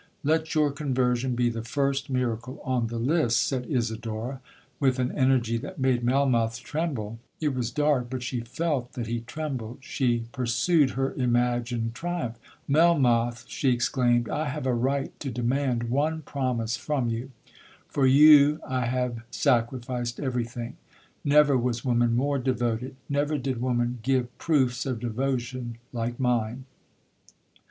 'Let your conversion be the first miracle on the list,' said Isidora, with an energy that made Melmoth tremble—it was dark—but she felt that he trembled—she pursued her imagined triumph—'Melmoth,' she exclaimed, 'I have a right to demand one promise from you—for you I have sacrificed every thing—never was woman more devoted—never did woman give proofs of devotion like mine.